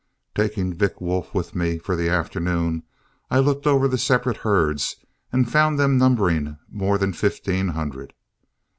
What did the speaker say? Taking Vick Wolf with me for the afternoon, I looked over the separate herds and found them numbering more than fifteen hundred.